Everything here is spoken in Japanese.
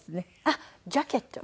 あっジャケット。